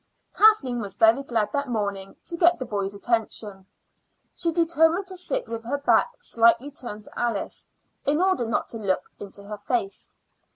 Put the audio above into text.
Kathleen was very glad that morning to get the boys' attention. She determined to sit with her back slightly turned to Alice, in order not to look into her face.